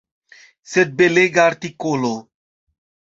Sed belega artikolo!